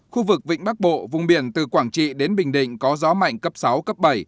khu vực vịnh bắc bộ vùng biển từ quảng trị đến bình định có gió mạnh cấp sáu cấp bảy